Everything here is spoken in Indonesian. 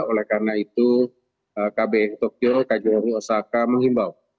oleh karena itu kb tokyo kjri osaka menghimbau